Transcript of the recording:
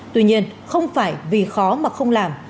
tuy nhiên không phải vì khó mà không làm